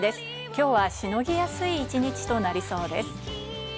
今日はしのぎやすい一日となりそうです。